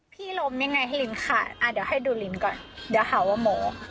พี่ล้มยังไงให้ลิ้นขาดอ่าเดี๋ยวให้ดูลิ้นก่อนเดี๋ยวหาว่าหมอ